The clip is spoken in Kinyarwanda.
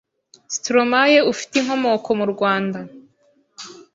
Stromae ufite inkomoko mu Rwanda